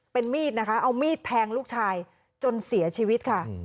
เป็นมีดนะคะเอามีดแทงลูกชายจนเสียชีวิตค่ะ